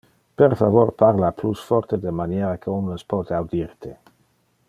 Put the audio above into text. Per favor parla plus forte de maniera que omnes pote audir te.